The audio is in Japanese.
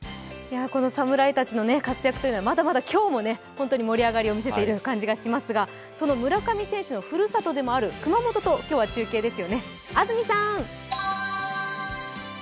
まだまだ今日も盛り上がりを見せている感じがしますがその村上選手のふるさとでもある熊本と今日は中継ですよね。